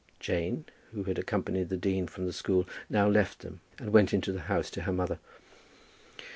Jane, who had accompanied the dean from the school, now left them, and went into the house to her mother.